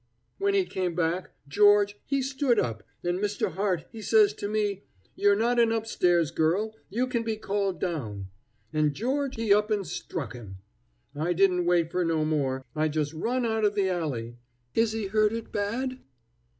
When he came back, George he stood up, an' Mister Hart he says to me: 'Ye're not an up stairs girl; you can be called down,' an' George he up an' struck him. I didn't wait fer no more. I just run out of the alley. Is he hurted bad?